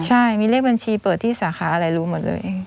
ใช่มีเลขบัญชีเปิดที่สาขาอะไรรู้หมดเลย